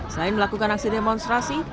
selain melakukan aksi demonstrasi